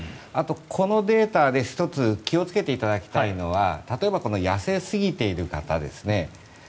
このデータで１つ気をつけていただきたいのは例えばこの痩せすぎている方ですね。